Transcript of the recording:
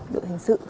đội hình sự